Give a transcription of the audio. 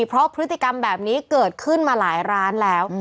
เพราะพฤติกรรมแบบนี้เกิดขึ้นมาหลายร้านแล้ว